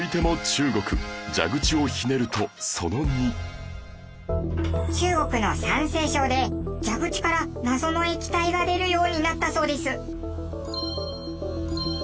中国の山西省で蛇口から謎の液体が出るようになったそうです。